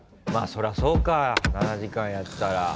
まあそりゃそうか７時間やったら。